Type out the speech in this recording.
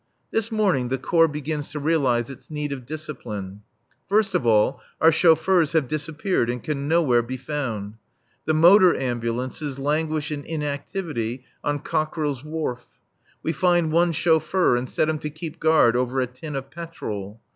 This morning the Corps begins to realize its need of discipline. First of all, our chauffeurs have disappeared and can nowhere be found. The motor ambulances languish in inactivity on Cockerill's Wharf. We find one chauffeur and set him to keep guard over a tin of petrol.